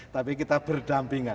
tapi kita berdampingan